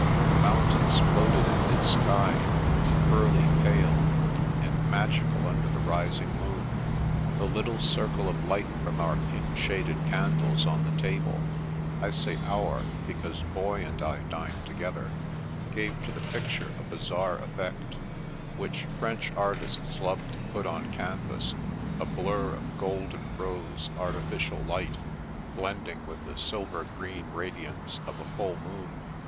The mountains floated in mid sky, pearly pale, and magical under the rising moon. The little circle of light from our pink shaded candles on the table (I say our, because Boy and I dined together) gave to the picture a bizarre effect, which French artists love to put on canvas ; a blur of gold and rose artificial light, blending with the silver green radiance of a full moon.